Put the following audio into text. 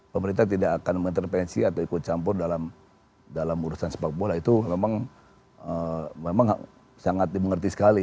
pemerintah tidak akan mengintervensi atau ikut campur dalam urusan sepak bola itu memang sangat dimengerti sekali